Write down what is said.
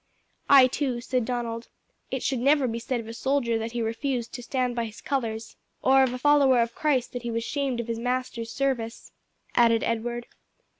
"I too," said Donald. "It should never be said of a soldier that he refused to stand by his colors." "Or of a follower of Christ that he was shamed of his Master's service," added Edward.